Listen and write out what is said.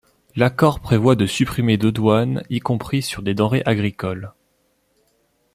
L'accord prévoit de supprimer de douane, y compris sur des denrées agricoles.